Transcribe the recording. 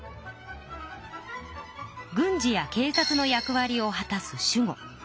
軍事やけい察の役わりを果たす守護。